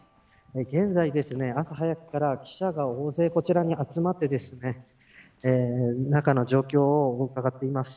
現在、朝早くから記者が大勢こちらに集まってですね中の状況をうかがっています。